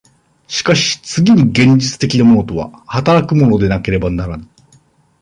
しかし次に現実的なものとは働くものでなければならぬ。